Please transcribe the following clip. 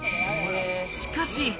しかし。